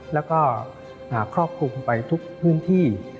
แล้วก็ครอบคลุมไปทุกพื้นที่